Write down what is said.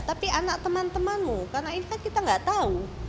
tapi anak teman temanmu karena ini kan kita nggak tahu